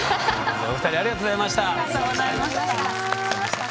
お二人ありがとうございました。